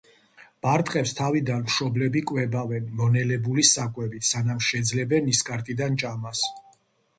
ბარტყებს თავიდან მშობლები კვებავენ მონელებული საკვებით, სანამ შეძლებენ ნისკარტიდან ჭამას.